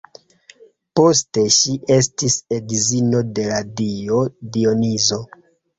Poste ŝi estis edzino de la dio Dionizo.